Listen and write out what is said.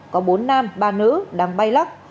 có bốn nam ba nữ đang bay lắc